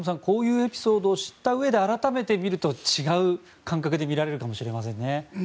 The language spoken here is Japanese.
こういうエピソードを知ったうえで改めて見ると、違う感覚で見られるかもしれませんね。